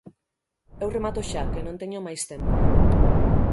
Eu remato xa, que non teño máis tempo.